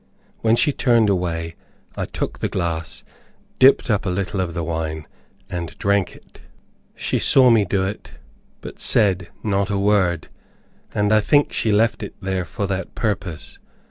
When she turned away, I took the glass, dipped up a little of the wine, and drank it. She saw me do it, but said not a word, and I think she left it there for that purpose.